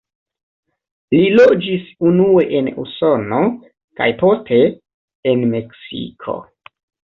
Li loĝis unue en Usono kaj poste en Meksiko.